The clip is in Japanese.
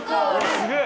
すげえ！